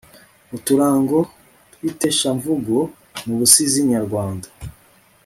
uturango tw'ikeshamvugo mu busizi nyarwanda